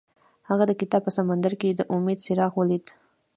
هغه د کتاب په سمندر کې د امید څراغ ولید.